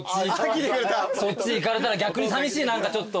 そっち行かれたら逆にさみしい何かちょっと。